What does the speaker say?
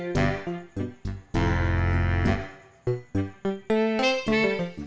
masa kutip susah bruh ke purchasing